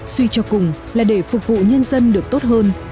suy cho cùng là để phục vụ nhân dân được tốt hơn